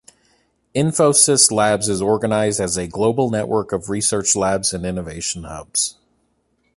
Infosys Labs is organized as a global network of research labs and innovation hubs.